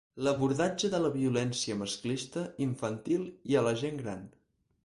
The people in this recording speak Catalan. L'abordatge de la violència masclista, infantil i a la gent gran.